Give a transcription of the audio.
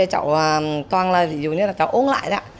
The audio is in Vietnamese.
cháu về cháu toàn là ví dụ như là cháu ôn lại đó